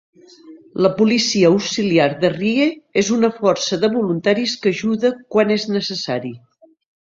La policia auxiliar de Rye és una força de voluntaris que ajuda quan és necessari.